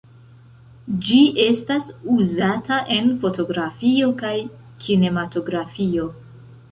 Ĝi estas uzata en fotografio kaj kinematografio.